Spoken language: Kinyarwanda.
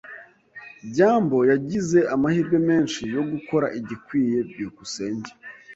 byambo yagize amahirwe menshi yo gukora igikwiye. byukusenge